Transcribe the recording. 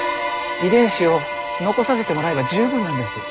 遺伝子を残させてもらえば十分なんです。